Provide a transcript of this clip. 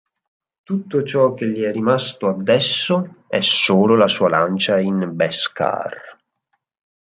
Tutto ciò che gli è rimasto adesso è solo la sua lancia in beskar.